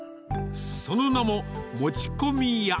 その名も、もちこみ屋。